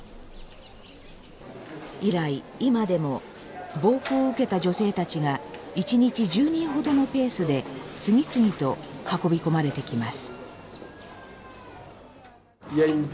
以来今でも暴行を受けた女性たちが一日１０人ほどのペースで次々と運び込まれてきます。